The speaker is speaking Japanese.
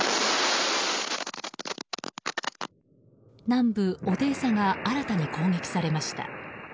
南部オデーサが新たに攻撃されました。